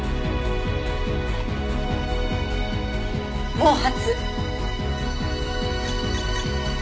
毛髪。